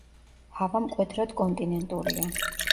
ჰავა მკვეთრად კონტინენტურია.